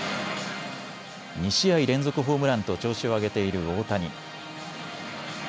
２試合連続ホームランと調子を上げている大谷。